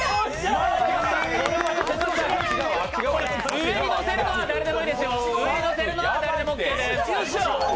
上にのせるのは誰でもＯＫです。